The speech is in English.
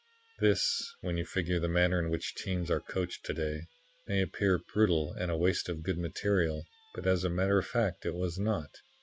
"This, when you figure the manner in which teams are coached to day, may appear brutal and a waste of good material, but as a matter of fact, it was not.